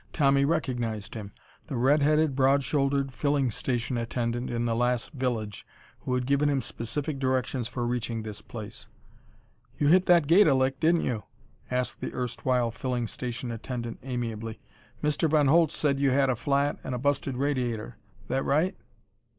Tommy recognized him. The red headed, broad shouldered filling station attendant in the last village, who had given him specific directions for reaching this place. "You hit that gate a lick, didn't you?" asked the erstwhile filling station attendant amiably. "Mr. Von Holtz said you had a flat and a busted radiator. That right?"